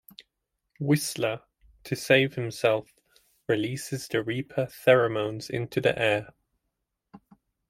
Whistler, to save himself, releases the reaper pheromones into the air.